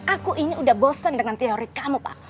aku ini udah bosen dengan teori kamu pak